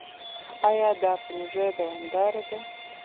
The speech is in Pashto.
ایا دا پروژه دوامداره ده؟